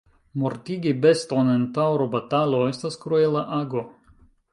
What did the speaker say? Mortigi beston en taŭrobatalo estas kruela ago.